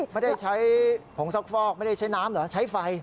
ไม่ได้ใช้ผงซักฟอกไม่ได้ใช้น้ำเหรอใช้ไฟ